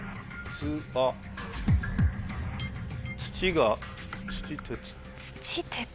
土が「土」「鉄」。